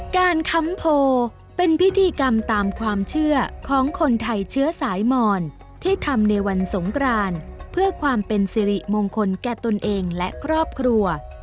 ค้ำโพเป็นพิธีกรรมตามความเชื่อของคนไทยเชื้อสายหมอนที่ทำในวันสงกรานเพื่อความเป็นสิริมงคลแก่ตนเองและครอบครัว